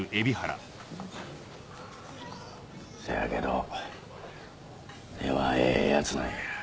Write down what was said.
せやけど根はええヤツなんや。